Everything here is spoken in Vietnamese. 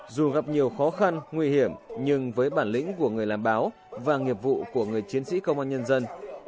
dù gặp nhiều khó khăn nguy hiểm nhưng với bản lĩnh của người làm báo và nghiệp vụ của người chiến sĩ công an nhân dân